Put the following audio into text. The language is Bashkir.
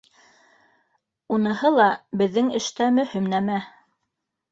— Уныһы ла беҙҙең эштә мөһим нәмә